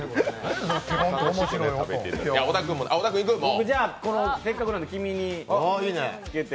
僕、せっかくなんで黄身につけて。